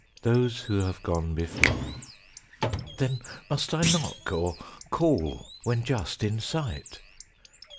Those who have gone before. Then must I knock, or call when just in sight?